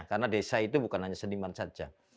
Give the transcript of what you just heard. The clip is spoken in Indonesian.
karena desa itu bukan hanya seniman saja